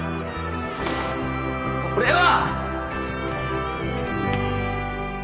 俺は！